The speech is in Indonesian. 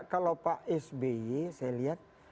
kalau pak sby saya lihat